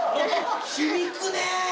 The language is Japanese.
響くね。